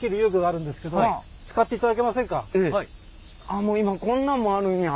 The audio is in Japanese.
あっもう今こんなんもあるんや。